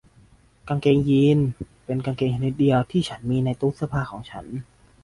กางเกงยีนส์เป็นกางเกงชนิดเดียวที่ฉันมีในตู้เสื้อผ้าของฉัน